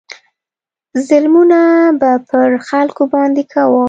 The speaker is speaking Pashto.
ظلمونه به پر خلکو باندې کول.